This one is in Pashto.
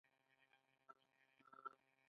آیا د ایران غالۍ په نړۍ کې مشهورې نه دي؟